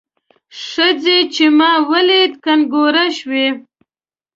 ښځې چې مار ولید کنګوره شوه.